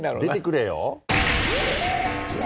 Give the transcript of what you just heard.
出てくれよ。